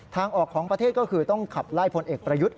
ทางออกของประเทศก็คือต้องขับไล่พลเอกประยุทธ์